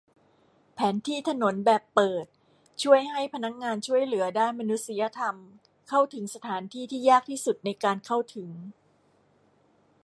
แผนที่ถนนแบบเปิดช่วยให้พนักงานช่วยเหลือด้านมนุษยธรรมเข้าถึงสถานที่ที่ยากที่สุดในการเข้าถึง